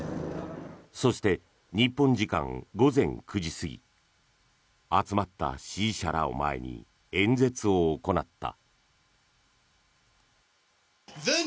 そして、日本時間午前９時過ぎ集まった支持者らを前に演説を行った。